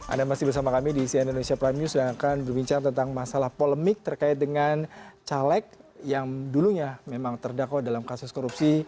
anda masih bersama kami di sian indonesia prime news dan akan berbincang tentang masalah polemik terkait dengan caleg yang dulunya memang terdakwa dalam kasus korupsi